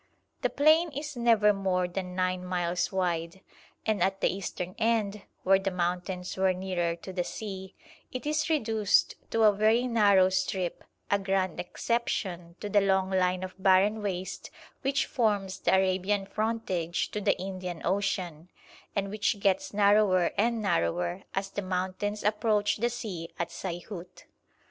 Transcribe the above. The plain is never more than nine miles wide, and at the eastern end, where the mountains were nearer to the sea, it is reduced to a very narrow strip, a grand exception to the long line of barren waste which forms the Arabian frontage to the Indian Ocean, and which gets narrower and narrower as the mountains approach the sea at Saihut.